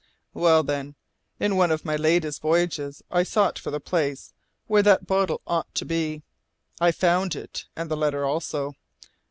"Well, then, in one of my latest voyages I sought for the place where that bottle ought to be. I found it and the letter also.